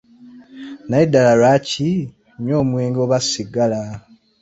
Naye ddala lwaki nywa omwenge oba sigala?